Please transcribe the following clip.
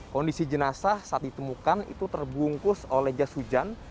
kondisi jenazah saat ditemukan itu terbungkus oleh jas hujan